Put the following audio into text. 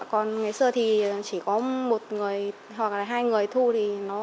còn ngày xưa thì chỉ có một người hoặc là hai người thu thì nó